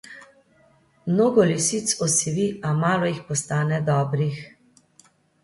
Mnogo lisic osivi, a malo jih postane dobrih.